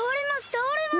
たおれます！